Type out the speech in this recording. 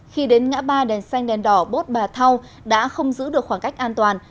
khi đến ngã ba đèn xanh đèn đỏ bốt bà thâu đã không giữ được khoảng cách an toàn